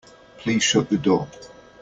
Please shut the door.